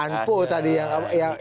anpo tadi yang